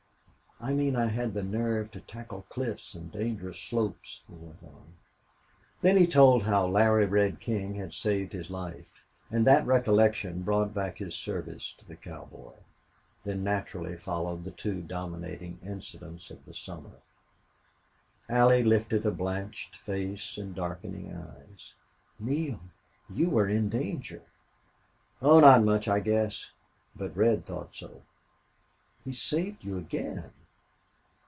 "I mean I had the nerve to tackle cliffs and dangerous slopes," he went on. Then he told how Larry Red King had saved his life, and that recollection brought back his service to the cowboy; then naturally followed the two dominating incidents of the summer. Allie lifted a blanched face and darkening eyes. "Neale! You were in danger." "Oh, not much, I guess. But Red thought so." "He saved you again!...